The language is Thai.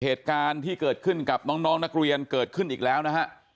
เหตุการณ์ที่เกิดขึ้นกับน้องนักเรียนเกิดขึ้นอีกแล้วนะฮะ